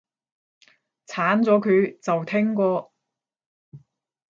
鏟咗佢，就聽過